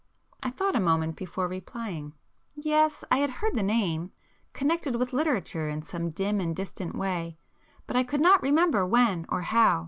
I thought a moment before replying. Yes,—I had heard the name,—connected with literature in some dim and distant way, but I could not remember when or how.